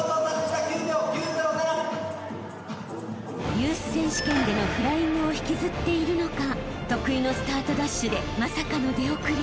［ユース選手権でのフライングを引きずっているのか得意のスタートダッシュでまさかの出遅れ］